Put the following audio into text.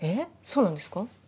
そうなんですか？